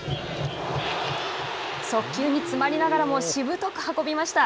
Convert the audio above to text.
速球に詰まりながらもしぶとく運びました。